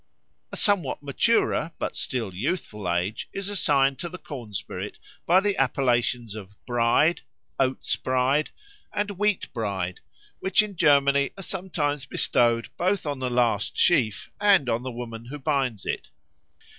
A somewhat maturer but still youthful age is assigned to the corn spirit by the appellations of Bride, Oats bride, and Wheat bride, which in Germany are sometimes bestowed both on the last sheaf and on the woman who binds it.